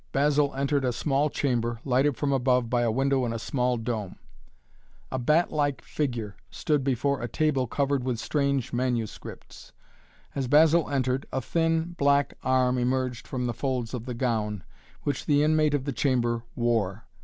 Basil entered a small chamber, lighted from above by a window in a small dome. A bat like figure stood before a table covered with strange manuscripts. As Basil entered, a thin black arm emerged from the folds of the gown, which the inmate of the chamber wore.